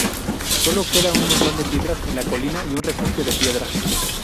Solo queda un montón de piedras en la colina y un refugio de piedra.